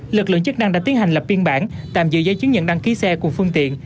lực lượng chức năng đã tiến hành lập biên bản tạm giữ giấy chứng nhận đăng ký xe cùng phương tiện